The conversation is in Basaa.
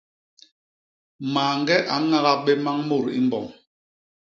Mañge a ñagap bé mmañ mut i mbom.